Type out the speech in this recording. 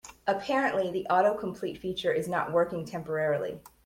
Apparently, the autocomplete feature is not working temporarily.